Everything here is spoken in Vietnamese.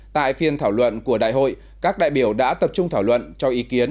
tại phiên thảo luận của đại hội các đại biểu đã tập trung thảo luận cho ý kiến